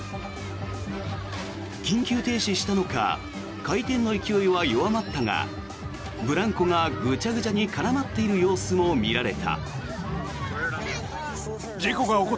緊急停止したのか回転の勢いは弱まったがブランコがグチャグチャに絡まっている様子も見られた。